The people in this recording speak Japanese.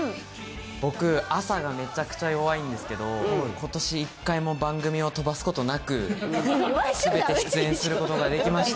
僕、朝がめちゃくちゃ弱いんですけど、ことし１回も番組を飛ばすことなく、すべて出演することができました。